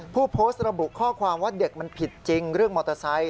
ผู้โพสต์ระบุข้อความว่าเด็กมันผิดจริงเรื่องมอเตอร์ไซค